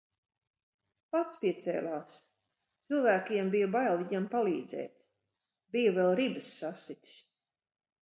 Pats piecēlās, cilvēkiem bija bail viņam palīdzēt. Bija vēl ribas sasitis.